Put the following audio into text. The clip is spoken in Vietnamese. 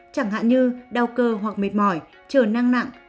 chẳng hạn như đau cơ hoặc mệt mỏi chờ năng nặng